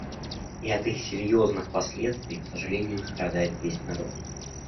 И от их серьезных последствий, к сожалению, страдает весь народ.